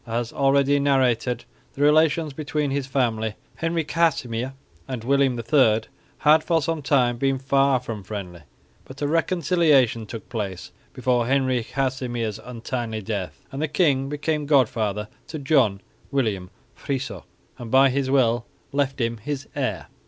As already narrated, the relations between his father, Henry Casimir, and William III had for a time been far from friendly; but a reconciliation took place before Henry Casimir's untimely death, and the king became god father to John William Friso, and by his will left him his heir.